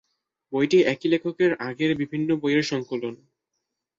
বইটি একই লেখকের লেখা আগের বিভিন্ন বইয়ের সংকলন।